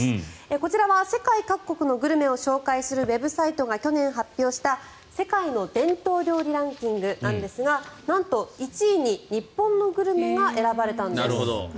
こちらは世界各国のグルメを紹介するウェブサイトが去年発表した世界の伝統料理ランキングなんですがなんと１位に日本のグルメが選ばれたんです。